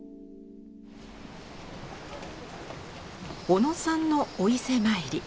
小野さんのお伊勢参り。